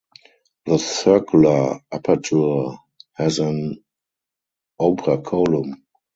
The circular aperture has an operculum.